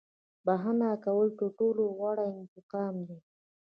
• بښنه کول تر ټولو غوره انتقام دی.